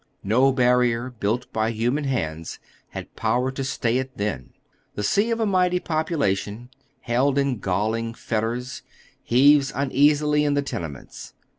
No barrier built by human hands had power to stay it then. The sea of a mighty population, held in galling fetters, heaves mi easiSy in the tenements.